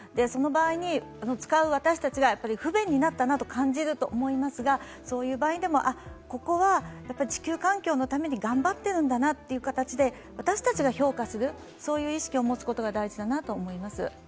その場合に、使う私たちが不便になったなと感じると思いますがそういう場合でも、ここは地球環境のために頑張ってるんだなという形で私たちが評価する、そういう意識を持つことが大事だなと思います。